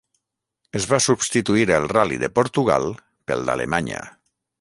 Es va substituir el ral·li de Portugal pel d'Alemanya.